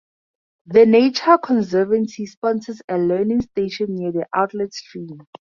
The Nature Conservancy sponsors a learning station near the outlet stream.